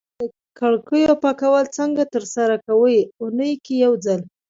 د کړکیو پاکول څنګه ترسره کوی؟ اونۍ کی یوځل